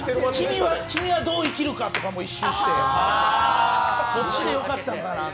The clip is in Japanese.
君はどう生きるかとかも一周して、そっちでよかったんかなとか。